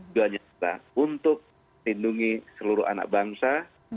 jualan yang tepat untuk lindungi seluruh anak bangsa